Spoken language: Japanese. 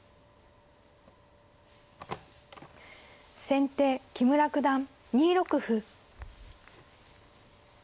先手木村九段２六歩。